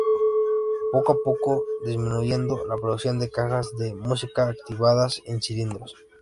Poco a poco fue disminuyendo la producción de cajas de música activadas con cilindros.